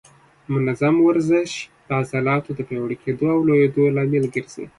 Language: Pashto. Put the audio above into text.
منظم ورزش د عضلاتو د پیاوړي کېدو او لویېدو لامل ګرځي.